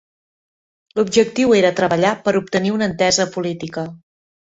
L'objectiu era treballar per obtenir una entesa política.